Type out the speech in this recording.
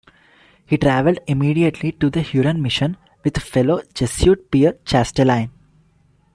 He travelled immediately to the Huron mission with fellow Jesuit Pierre Chastellain.